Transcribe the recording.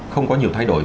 không có nhiều thay đổi